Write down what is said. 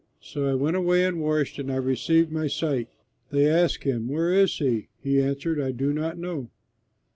So I went away and washed, and I received my sight." They asked him, "Where is he?" He answered, "I do not know."